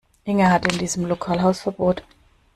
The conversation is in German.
Inge hatte in diesem Lokal Hausverbot